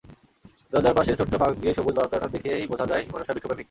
দরজার পাশের ছোট্ট ফাঁক দিয়ে সবুজ বারান্দাটা দেখেই বোঝা যায় মানুষটা বৃক্ষপ্রেমিক।